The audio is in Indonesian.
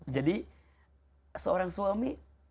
jadi seorang suami